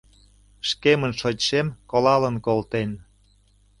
Шкемын шочшем колалын колтен